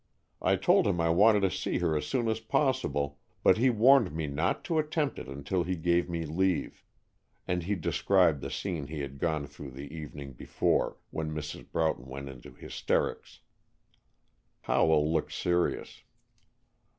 I told him I wanted to see her as soon as possible, but he warned me not to attempt it until he gave me leave." And he described the scene he had gone through the evening before, when Mrs. Broughton went into hysterics. Howell looked serious.